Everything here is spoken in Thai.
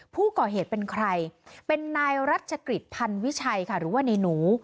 ผู้ก่อเหตุเป็นใครเป็นนายรัชกฤษพันวิชัยค่ะหรือว่าในหนู